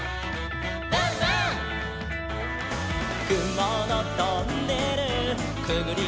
「くものトンネルくぐりぬけるよ」